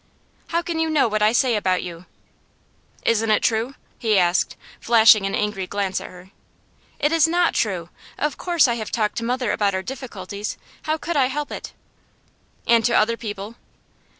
'How can you know what I say about you?' 'Isn't it true?' he asked, flashing an angry glance at her. 'It is not true. Of course I have talked to mother about our difficulties; how could I help it?' 'And to other people.